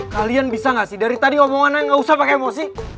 kalian bisa gak sih dari tadi omongannya gak usah pakai emosi